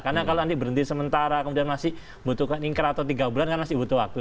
karena kalau nanti berhenti sementara kemudian masih butuhkan inkra atau tiga bulan kan masih butuh waktu